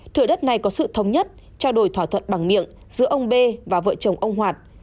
thửa đất này có sự thống nhất trao đổi thỏa thuận bằng miệng giữa ông b và vợ chồng ông hoạt